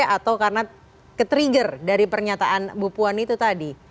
atau karena ketrigger dari pernyataan ibu puan itu tadi